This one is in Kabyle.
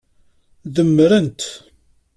Demmren-t.